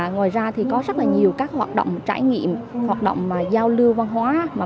ngoài ra có rất nhiều hoạt động trải nghiệm hoạt động giao lưu văn hóa